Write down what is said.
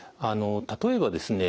例えばですね